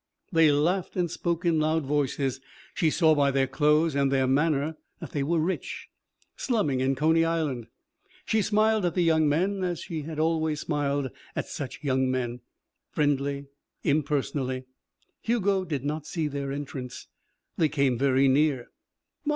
They laughed and spoke in loud voices. She saw by their clothes and their manner that they were rich. Slumming in Coney Island. She smiled at the young men as she had always smiled at such young men, friendlily, impersonally. Hugo did not see their entrance. They came very near.